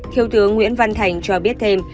thiếu tướng nguyễn văn thành cho biết thêm